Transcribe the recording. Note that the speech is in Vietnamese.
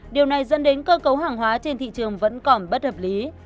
điều này dẫn đến cơ cấu hàng hóa trên thị trường vẫn còn bất hợp lý